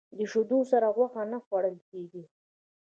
د شیدو سره غوښه نه خوړل کېږي.